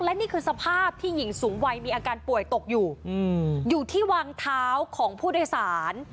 และนี่คือสภาพที่หญิงสูงวัยมีอาการป่วยตกอยู่อยู่ที่วางเท้าของผู้โดยสาร